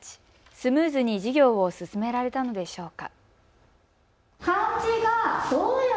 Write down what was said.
スムーズに授業を進められたのでしょうか。